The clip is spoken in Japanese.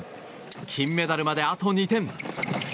金メダルまであと２点。